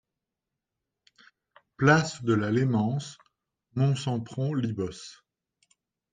Place de la Lémance, Monsempron-Libos